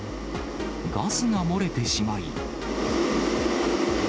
ガスが漏れてしまい。